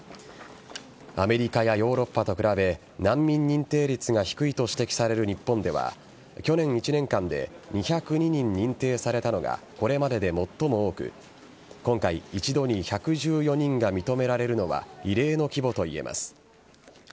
アメリカやヨーロッパと比べ難民認定率が低いと指摘される日本では去年１年間で２０２人認定されたのがこれまでで最も多く今回１度に１１４人が認められるのは異例の規模と言えます。